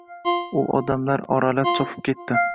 U odamlar oralab chopib ketdi.